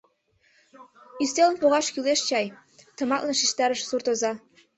Ӱстелым погаш кӱлеш чай, — тыматлын шижтарыш суртоза.